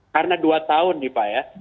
karena dua tahun nih pak ya